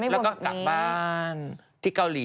แล้วก็กลับบ้านที่เกาหลี